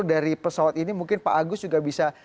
dari pesawat ini mungkin pak agus juga bisa